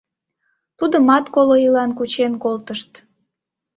Тудымат коло ийлан кучен колтышт.